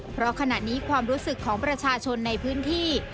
เพราะขณะนี้ความรู้สึกของประชาชนในพื้นที่